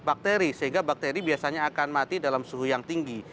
bakteri sehingga bakteri biasanya akan mati dalam suhu yang tinggi